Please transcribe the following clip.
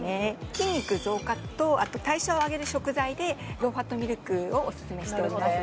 筋肉増加とあと代謝を上げる食材でローファットミルクをおすすめしております